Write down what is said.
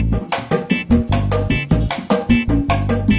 kemudian terpatar dalam k workshop ebay